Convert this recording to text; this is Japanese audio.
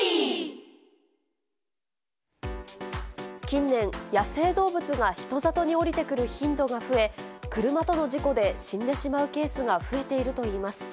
近年、野生動物が人里に下りてくる頻度が増え、車との事故で死んでしまうケースが増えているといいます。